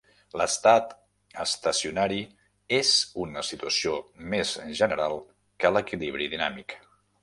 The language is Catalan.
L'estat estacionari és una situació més general que l'equilibri dinàmic.